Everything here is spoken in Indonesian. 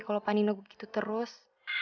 kalau pak nino begitu terus